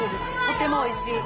とてもおいしい。